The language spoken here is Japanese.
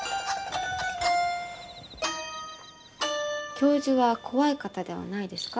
教授は怖い方ではないですか？